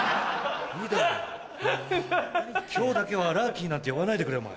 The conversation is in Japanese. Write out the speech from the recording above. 今日だけはアラーキーなんて呼ばないでくれお前。